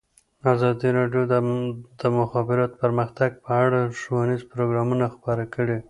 ازادي راډیو د د مخابراتو پرمختګ په اړه ښوونیز پروګرامونه خپاره کړي.